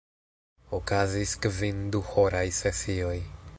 Okazis kvin duhoraj sesioj.